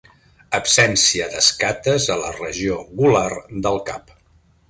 Absència d'escates a la regió gular del cap.